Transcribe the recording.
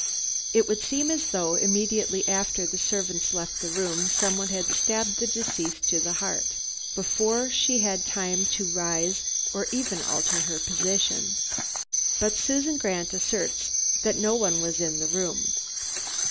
It would seem as though immediately after the servants left the room someone had stabbed the deceased to the heart, before she had time to rise or even alter her position. But Susan Grant asserts that no one was in the room.